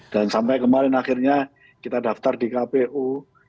dan sampai kemarin akhirnya kita daftar di kpu